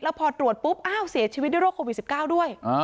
แล้วพอตรวจปุ๊บเสียชีวิตได้โรคโควิด๑๙ด้วย